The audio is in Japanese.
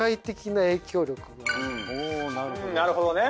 なるほどね。